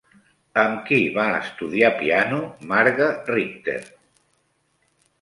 Amb qui va estudiar piano Marga Richter?